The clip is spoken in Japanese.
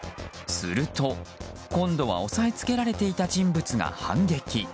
すると今度は押さえつけられていた人物が反撃。